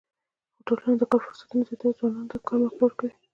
هوټلونه د کار فرصتونه زیاتوي او ځوانانو ته کاري موقع ورکوي.